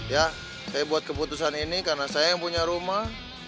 ya saya buat keputusan ini karena saya yang punya rumah